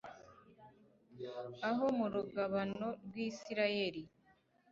aho mu rugabano rw'isirayeli